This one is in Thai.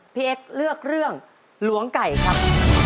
เอ็กซ์เลือกเรื่องหลวงไก่ครับ